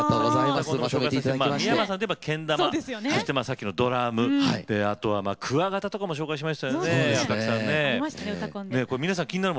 三山さんといえばけん玉、さっきのドラムクワガタとかもご紹介しましたよね。